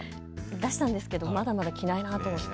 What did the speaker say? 出したんですけどまだまだ着ないなと思って。